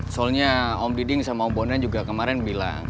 soalnya om diding sama om bonen juga kemarin bilang